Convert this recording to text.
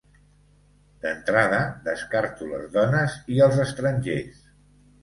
D'entrada, descarto les dones i els estrangers.